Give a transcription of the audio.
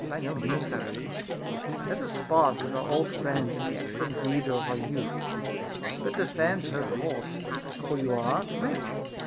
By no means, I replied, let us part with our old friend and the excellent breeder of our youth ; but defend her cause, for you are to manage it.